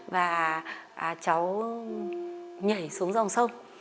và cháu nhảy xuống dòng sông